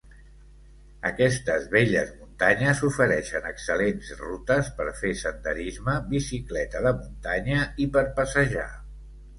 Aquestes belles muntanyes ofereixen excel·lents rutes per fer senderisme, bicicleta de muntanya i per passejar.